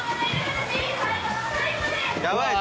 やばいぞ。